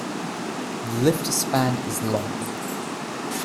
The lift span is long.